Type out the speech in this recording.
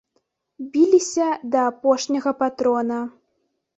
Біліся да апошняга патрона.